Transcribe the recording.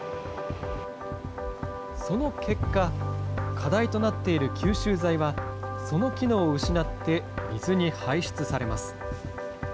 その結果、課題となっている吸収材は、その機能を失って水に排出されます。